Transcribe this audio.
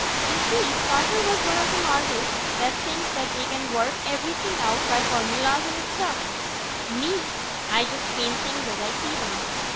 Y'see, Carter was one a them artists that think they can work everything out by formulas and stuff. Me, I just paint things as I see 'em.